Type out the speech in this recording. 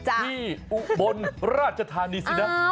อุบลราชธานีสินะ